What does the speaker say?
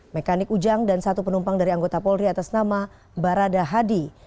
mekanik ujang dan satu penumpang dari anggota polri atas nama barada hadi